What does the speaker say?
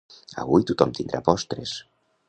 Avui tothom tindrà postres